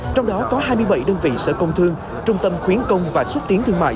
trong đó có hai mươi bảy đơn vị sở công thương trung tâm khuyến công và xúc tiến thương mại